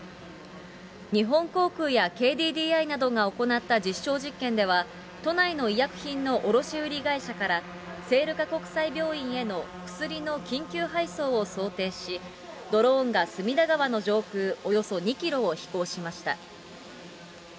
日本航空やＫＤＤＩなどが行った実証実験では、都内の医薬品の卸売会社から、聖路加国際病院への薬の緊急配送を想定し、ドローンが隅田川の上空およそ２キロを飛行しました。